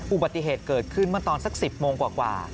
อุบัติเหตุเกิดขึ้นเมื่อตอนสัก๑๐โมงกว่า